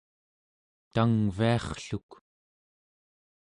tangviarrluk